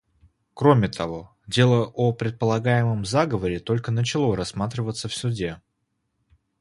Кроме того, дело о предполагаемом заговоре только начало рассматриваться в Суде.